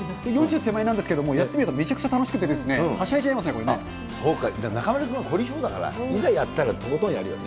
手前なんですけど、やってみるとめちゃくちゃ楽しくて、はしゃいじゃいますね、そうか、中丸君は凝り性だから、いざやったら、とことんやるよね。